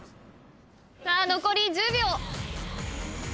さあ残り１０秒。